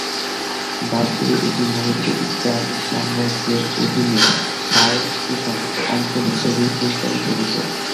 বাস্তবে এটি মূলত স্প্যানিশ সাম্রাজ্যের অধীনে স্বায়ত্তশাসিত অঞ্চল হিসেবেই পরিচালিত হতো।